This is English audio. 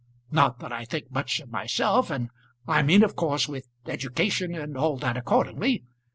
Not that I think much of myself, and I mean of course with education and all that accordingly.